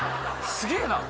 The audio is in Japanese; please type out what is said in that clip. すげえな！